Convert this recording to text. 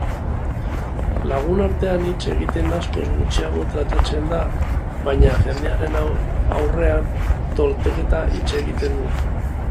Lagunartean hitz egitean askoz gutxiago trabatzen da baina jendearen aurrean totelka hitz egiten du.